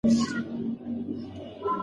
د شپې ناوخته خوراک د وزن زیاتوالي سبب کېږي.